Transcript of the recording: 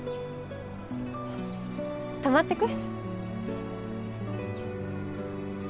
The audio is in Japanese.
泊まってく？